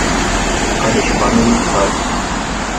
Eine spannende Zeit.